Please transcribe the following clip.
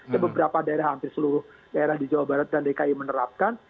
di beberapa daerah hampir seluruh daerah di jawa barat dan dki menerapkan